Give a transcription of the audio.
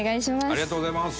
ありがとうございます。